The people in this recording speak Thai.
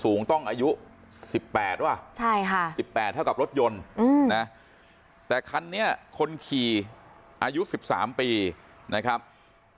ส่วนสองตายายขี่จักรยานยนต์อีกคันหนึ่งก็เจ็บถูกนำตัวส่งโรงพยาบาลสรรค์กำแพง